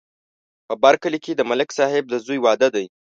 په بر کلي کې د ملک صاحب د زوی واده دی